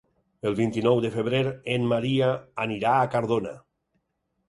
El vint-i-nou de febrer en Maria anirà a Cardona.